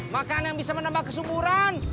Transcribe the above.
makanan yang bisa menambah kesuburan